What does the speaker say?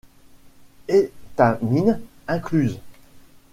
Étamines incluses.